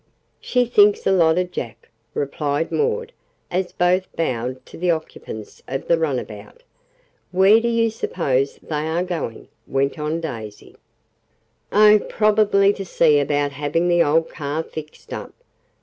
"She thinks a lot of Jack," replied Maud, as both bowed to the occupants of the runabout. "Where do you suppose they are going?" went on Daisy. "Oh, probably to see about having the old car fixed up.